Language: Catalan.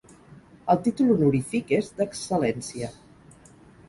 El títol honorífic és d'Excel·lència.